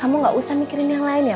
kamu gak usah mikirin yang lain ya